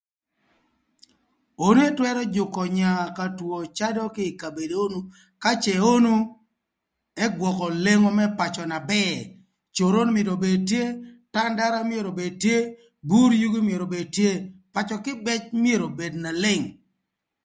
Onu ëtwërö jükö nya ka two cadö kï ï kabedo onu ka cë onu ëgwökö lengo më pacö na bër coron mïtö obed tye tandara myero obed tye bur yugi myero obed tye pacö kïbëc myero obed na leng